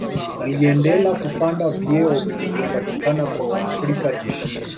Aliendela kupanda vyeo vilivyopatikana kwa Waafrika jeshini